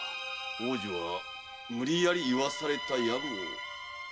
王女はむりやり言わされたやも？